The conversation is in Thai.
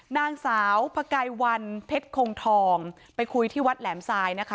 นางสาวพกายวันเพชรคงทองไปคุยที่วัดแหลมทรายนะคะ